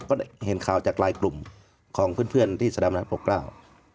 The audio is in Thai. ก็เห็นข่าวจากหลายกลุ่มของเพื่อนที่สรรพันธ์โปรแกร่าว